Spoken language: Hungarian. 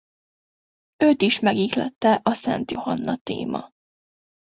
Őt is megihlette a Szent Johanna-téma.